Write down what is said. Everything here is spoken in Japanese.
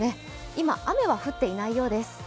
今、雨は降っていないようです。